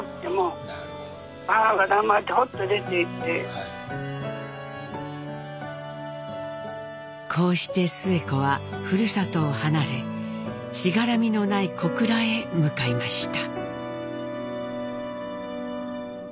だからこうしてスエ子はふるさとを離れしがらみのない小倉へ向かいました。